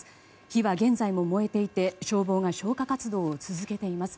火は現在も燃えていて消防が消火活動を続けています。